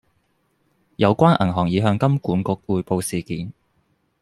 有關銀行已向金管局匯報事件